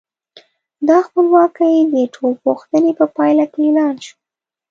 دا خپلواکي د ټول پوښتنې په پایله کې اعلان شوه.